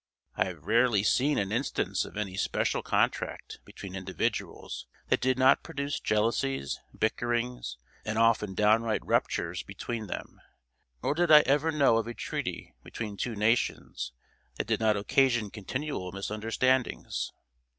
I have rarely seen an instance of any special contract between individuals that did not produce jealousies, bickerings and often downright ruptures between them; nor did I ever know of a treaty between two nations that did not occasion continual misunderstandings.